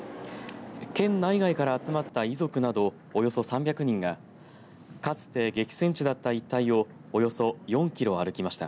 県内外から集まった遺族などおよそ３００人がかつて激戦地だった一帯をおよそ４キロ歩きました。